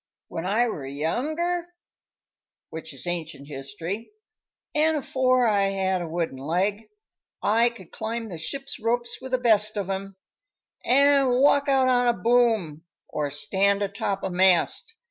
"When I were younger which is ancient history an' afore I had a wooden leg, I could climb a ship's ropes with the best of 'em, an' walk out on a boom, or stand atop a mast.